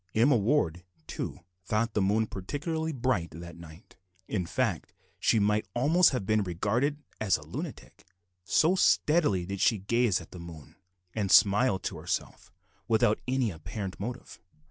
Emma Ward, too, thought the moon particularly bright that night; in fact she might almost have been regarded as a lunatic; so steadily did she gaze at the moon, and smile to herself without any apparent motive.